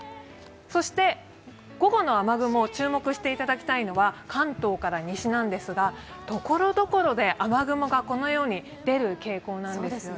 そして午後の雨雲、注目していただきたいのは関東から西なんですが、ところどころで雨雲が出る予報なんです。